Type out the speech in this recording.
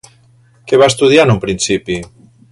Què va estudiar en un principi?